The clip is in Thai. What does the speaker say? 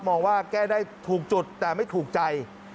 มองว่าแก้ได้ถูกจุดแต่ไม่ถูกใจ